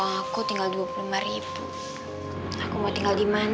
kalau anak saya bro ke gak jign ni beberapa hari mungkin juga udah neltimean